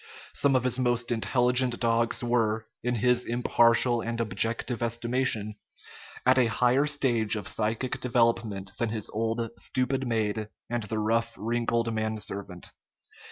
Some of his most intelligent dogs were, in his impartial and objective estimation, at a higher stage of psychic development than his old, stupid maid and the rough, wrinkled man servant.